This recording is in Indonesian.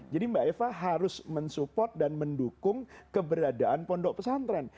jadi mbak eva harus mendukung dan mendukung keberadaan pondok pesantren